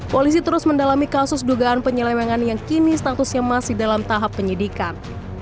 polisi terus mendalami kasus dugaan penyelewengan yang kini statusnya masih dalam tahap penyidikan